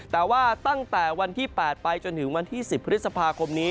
แต่ว่าตั้งแต่วันที่๘ไปจนถึงวันที่๑๐พฤษภาคมนี้